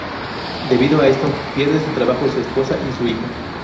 Debido a esto pierde su trabajo, su esposa y su hijo.